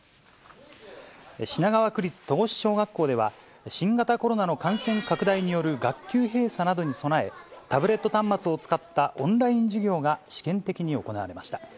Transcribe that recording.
品川区立戸越小学校では、新型コロナの感染拡大による学級閉鎖などに備え、タブレット端末を使ったオンライン授業が試験的に行われました。